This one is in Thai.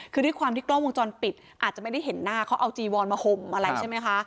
คือด้วยความที่กล้องวงจรปิดอาจจะไม่ได้เห็นหน้าเขาเอาจีวอนมาห่มอะไรใช่ไหมคะ